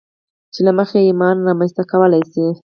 چې له مخې يې ايمان رامنځته کولای شئ.